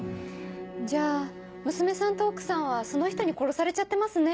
じゃあ娘さんと奥さんはその人に殺されちゃってますね。